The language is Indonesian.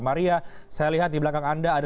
maria saya lihat di belakang anda ada